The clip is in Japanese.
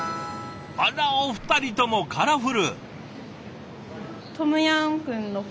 あらお二人ともカラフル。